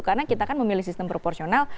karena kita kan memilih sistem proporsional